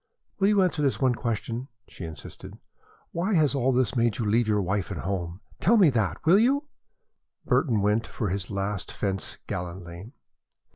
"Will you answer this one question?" she insisted. "Why has all this made you leave your wife and home? Tell me that, will you?" Burton went for his last fence gallantly.